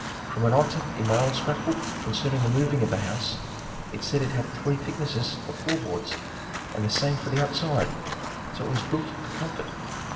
From an item in my old scrap book concerning the moving of the house, it said it had three thicknesses of floor boards, and the same for the outside, so it was built for comfort.